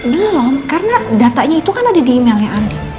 belom karena datanya itu kan ada di emailnya andi